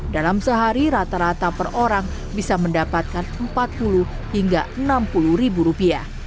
dalam sehari rata rata per orang bisa mendapatkan rp empat puluh hingga rp enam puluh